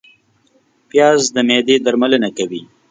پیاز د معدې درملنه کوي